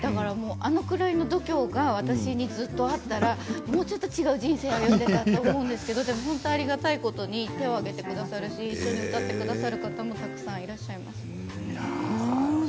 あのくらいの度胸が私にずっとあったら、もうちょっと違う人生を歩んでいたかなと思うんですけれどもありがたいことに手を上げてくださるし歌ってくださる方がいらっしゃいます。